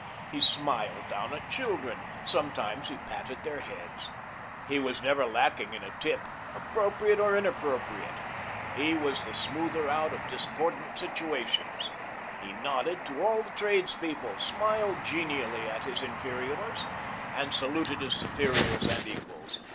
He smiled down at children, sometimes he patted their heads, he was never lacking in a tip, appropriate or inappropriate, he was the smoother out of discordant situations, he nodded to all the tradespeople, smiled genially at his inferiors, and saluted his superiors and equals.